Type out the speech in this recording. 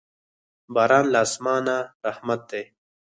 باران له اسمانه رحمت دی.